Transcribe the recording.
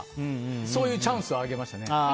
そういうチャンスをあげましたね。